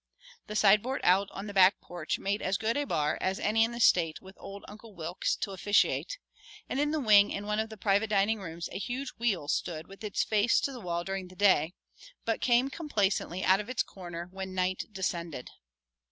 The sideboard out on the back porch made as good a bar as any in the state with old Uncle Wilks to officiate, and in the wing in one of the private dining rooms a huge wheel stood with its face to the wall during the day, but came complacently out of its corner when night descended.